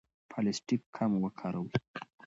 پلاستیک کم وکاروئ.